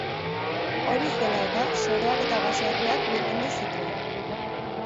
Hori zela eta, soroak eta baserriak birrindu zituen.